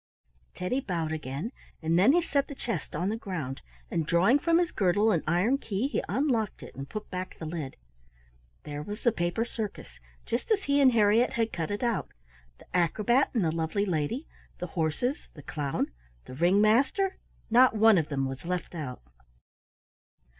Teddy bowed again, and then he set the chest on the ground, and drawing from his girdle an iron key he unlocked it and put back the lid. There was the paper circus, just as he and Harriett had cut it out: the acrobat and the lovely lady, the horses, the clown, the ring master, — not one of them was left out.